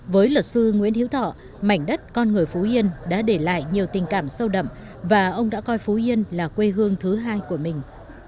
với luật sư nguyễn hữu thọ mảnh đất con người phú yên đã để lại nhiều tình cảm sâu đậm và ông đã coi phú yên là quê hương thứ hai của mình